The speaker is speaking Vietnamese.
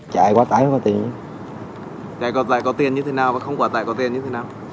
trải quá tải có tiền như thế nào và không quá tải có tiền như thế nào